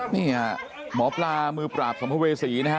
นี่เหรอหมอปลามือปราบสมพเวศรีนะฮะ